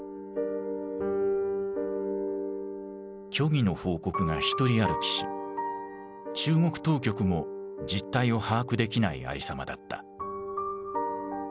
虚偽の報告が独り歩きし中国当局も実態を把握できないありさまだった。